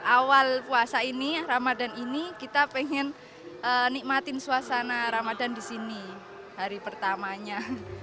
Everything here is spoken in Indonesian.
awal puasa ini ramadan ini kita pengen nikmatin suasana ramadan di sini hari pertamanya